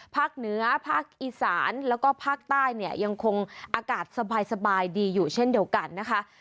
ภาคเหนือภาคอีสานแล้วก็ภาคใต้เนี่ยยังคงอากาศสบายดีอยู่เช่นเดียวกันนะคะ